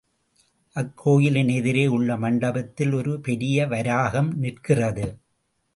அக்கோயிலின் எதிரே உள்ள மண்டபத்தில் ஒரு பெரிய, வராகம் நிற்கிறது.